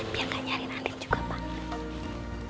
biar gak nyarin andin juga pak